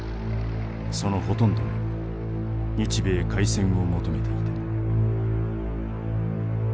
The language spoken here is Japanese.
そのほとんどが日米開戦を求めていた。